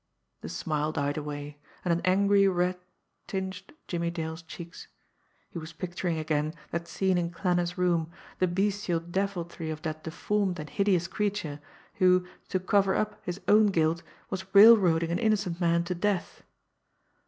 The smile died away, and an angry red tinged Jimmie Dale's cheeks he was picturing again that scene in Klanner's room, the bestial deviltry of that deformed and hideous creature who, to cover up his own guilt, was railroading an innocent man to death.